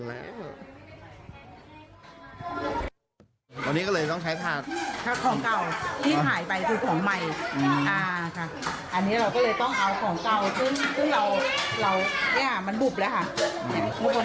อันนี้ก็เลยต้องใช้ถาด